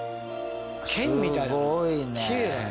剣みたいだな。